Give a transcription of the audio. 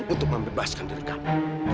untuk membebaskan diri kamu